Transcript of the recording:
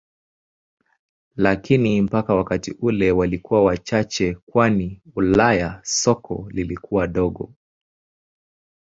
Lakini mpaka wakati ule walikuwa wachache kwani Ulaya soko lilikuwa dogo.